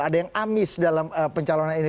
ada yang amis dalam pencalonan ini